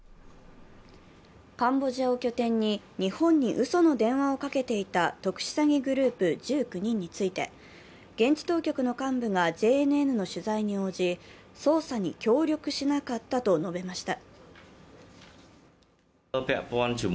カンボジアを拠点に日本にうその電話をかけていた特殊詐欺グループ１９人について現地当局の幹部がＪＮＮの取材に応じ捜査に協力しなかったと述べました。